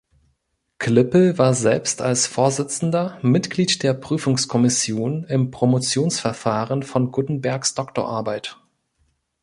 Klippel war selbst als Vorsitzender Mitglied der Prüfungskommission im Promotionsverfahren von Guttenbergs Doktorarbeit.